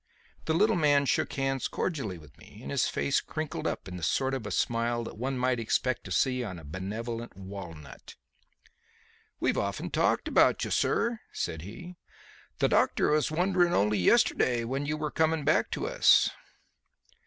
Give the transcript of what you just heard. The little man shook hands cordially with me, and his face crinkled up into the sort of smile that one might expect to see on a benevolent walnut. "We've often talked about you, sir," said he. "The doctor was wondering only yesterday when you were coming back to us."